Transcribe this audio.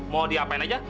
mau diapain aja